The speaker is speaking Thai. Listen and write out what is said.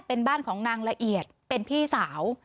เป็นบ้านของนางละเอียดเป็นพี่สาว